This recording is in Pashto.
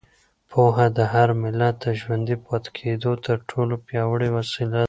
پوهه د هر ملت د ژوندي پاتې کېدو تر ټولو پیاوړې وسیله ده.